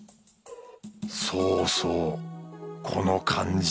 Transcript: そうそうこの感じ。